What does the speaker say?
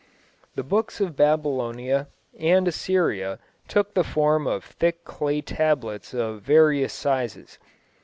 The books of Babylonia and Assyria took the form of thick clay tablets of various sizes.